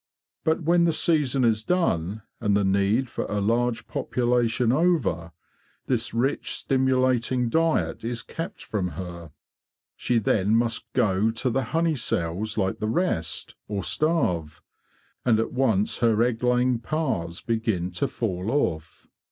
But when the season is done, and the need for a large population over, this rich stimulating diet is kept from her. She then must go to the honey cells like the rest, or starve; and at once her egg laying powers begin to fall off.